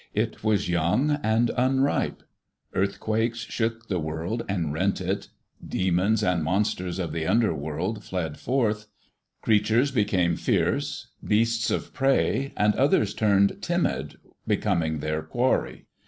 It was young and unripe. Earthquakes shook the world and rent it. Demons and monsters of the under world fled forth. Creatures became fierce, beasts of prey, and others turned timid, becoming their quarry.